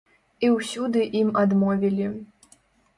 І ўсюды ім адмовілі.